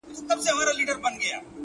کوټي ته درځمه گراني ـ